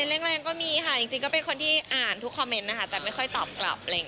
แรงก็มีค่ะจริงก็เป็นคนที่อ่านทุกคอมเมนต์นะคะแต่ไม่ค่อยตอบกลับ